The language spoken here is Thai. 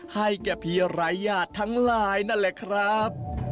ให้แก่พี่รายญาติทั้งหลายนั่นแหละครับ